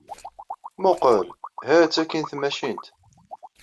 Mmuqqel! Hat-tt akkin tmacint!